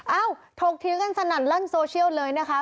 เอ้าถกทิ้งกันสนั่นร่างโซเชียลเลยนะคะ